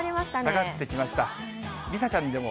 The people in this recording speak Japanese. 下がってきました。